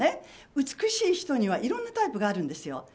美しい人にはいろんなタイプがあるんですよ。